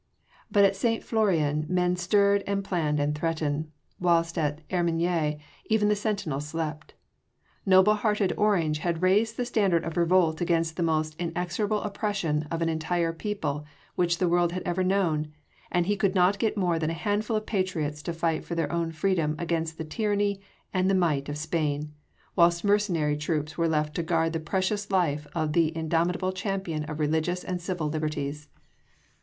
But at St. Florian men stirred and planned and threatened, whilst at Hermigny even the sentinels slept. Noble hearted Orange had raised the standard of revolt against the most execrable oppression of an entire people which the world has ever known and he could not get more than a handful of patriots to fight for their own freedom against the tyranny and the might of Spain, whilst mercenary troops were left to guard the precious life of the indomitable champion of religious and civil liberties.